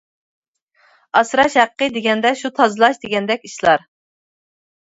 ئاسراش ھەققى دېگەندە شۇ تازىلاش دېگەندەك ئىشلار.